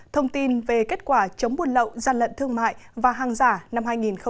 thông tin về kết quả chống buôn lậu gian lận thương mại và hàng giả năm hai nghìn một mươi chín